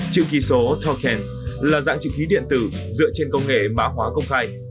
chữ ký số token là dạng chữ ký điện tử dựa trên công nghệ mã hóa công khai